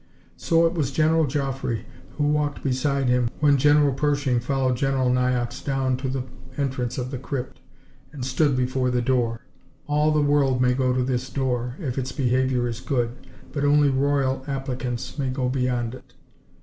So it was General Joffre who walked beside him when General Pershing followed General Niox down to the entrance of the crypt, and stood before the door. All the world may go to this door, if its behavior is good, but only royal applicants may go beyond it.